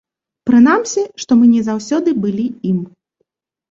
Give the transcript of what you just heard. Прынамсі, што мы не заўсёды былі ім.